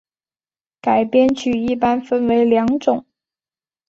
改编曲一般分为两种。